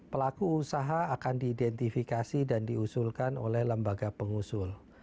pelaku usaha akan diidentifikasi dan diusulkan oleh lembaga pengusul